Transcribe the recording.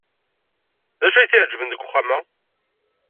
D acu ay t-iɛejben deg uxxam-a?